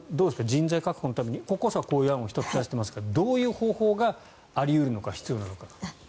人材確保のために国交省はこういう案を１つ出していますがどういう方法があり得るのか、必要なのか。